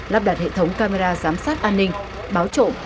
lắp đặt hệ thống camera giám sát an ninh báo trộm